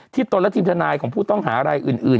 ตนและทีมทนายของผู้ต้องหารายอื่น